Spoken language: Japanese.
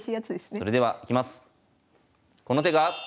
それではいきます。